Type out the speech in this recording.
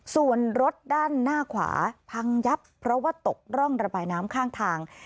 ส่วนรถด้านหน้าขวาพังยับเพราะว่าตกร่องระบายน้ำข้างทาง